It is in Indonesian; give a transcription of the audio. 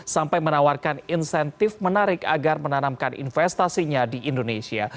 sampai menawarkan insentif menarik agar menanamkan investasinya di indonesia